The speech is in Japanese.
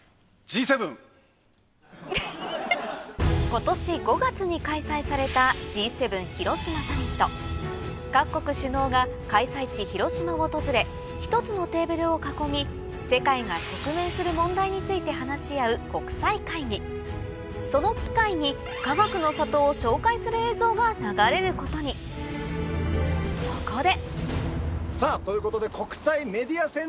今年５月に開催されたＧ７広島サミット各国首脳が開催地広島を訪れ一つのテーブルを囲み世界が直面する問題について話し合う国際会議その機会にかがくの里を紹介する映像が流れることにそこでさぁ！ということで。